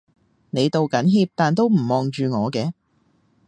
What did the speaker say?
你道緊歉但都唔望住我嘅